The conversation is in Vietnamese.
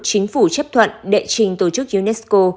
chính phủ chấp thuận đệ trình tổ chức unesco